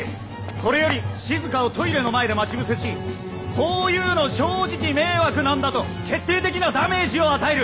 これよりしずかをトイレの前で待ち伏せし「こういうの正直迷惑なんだ」と決定的なダメージを与える。